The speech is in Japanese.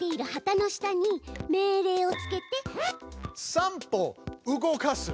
「３歩動かす」。